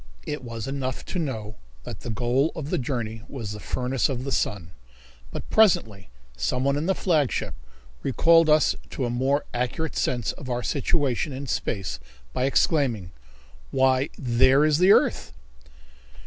It was enough to know that the goal of the journey was the furnace of the sun. But presently someone in the flagship recalled us to a more accurate sense of our situation in space by exclaiming: "Why, there is the earth!"